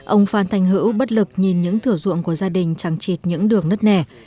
ông phan thanh hữu bất lực nhìn những thửa ruộng của gia đình trăng trịt những đường nứt nẻ